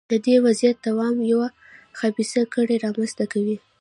د دې وضعیت دوام یوه خبیثه کړۍ رامنځته کوي.